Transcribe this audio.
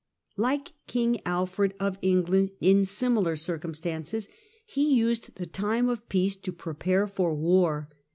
Like King Alfred of England in similar circumstances, he used the time of peace to prepare for war.